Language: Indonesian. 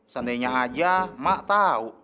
sandainya aja emak tau